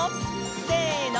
せの！